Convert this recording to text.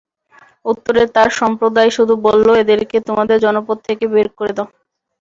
উত্তরে তার সম্প্রদায় শুধু বলল, এদেরকে তোমাদের জনপদ থেকে বের করে দাও।